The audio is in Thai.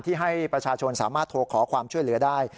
ให้ประชาชนสามารถโทรขอความช่วยเหลือได้